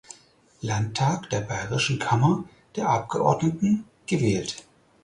Landtag der bayerischen Kammer der Abgeordneten gewählt.